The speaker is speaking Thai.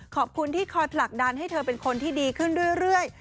ขอบคุณที่คอยผลักดันให้เธอเป็นคนที่ดีขึ้นเรื่อย